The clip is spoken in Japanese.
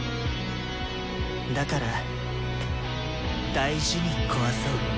だから大事に壊そう。